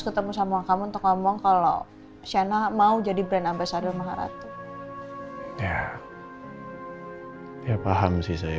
ketemu sama kamu untuk ngomong kalau sienna mau jadi beranabai saru maharatu ya paham sih saya